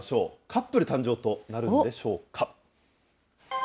カップル誕生となるんでしょうか。